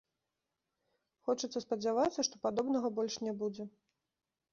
Хочацца спадзявацца, што падобнага больш не будзе.